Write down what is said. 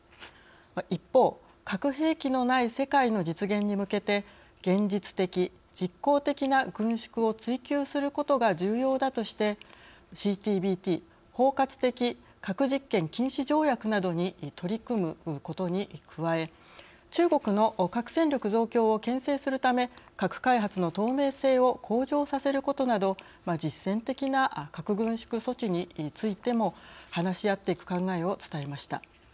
一方、核兵器のない世界の実現に向けて現実的、実効的な軍縮を追求することが重要だとしてＣＴＢＴ＝包括的核実験禁止条約などに取り組むことに加え中国の核戦力増強をけん制するため核開発の透明性を向上させることなど実践的な核軍縮措置についても話し合っていく考えを伝えました。